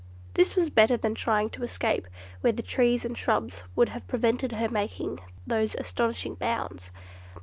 This was better than trying to escape where the trees and shrubs would have prevented her making those astonishing bounds.